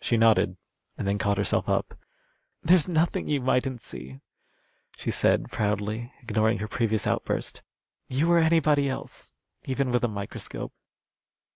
She nodded, and then caught herself up. "There's nothing you mightn't see," she said, proudly, ignoring her previous outburst. "You or anybody else, even with a microscope."